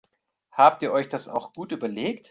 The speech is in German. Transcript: Habt ihr euch das auch gut überlegt?